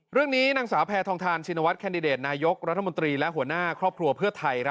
เรื่องนี้นางสาวแพทองทานชินวัฒแคนดิเดตนายกรัฐมนตรีและหัวหน้าครอบครัวเพื่อไทย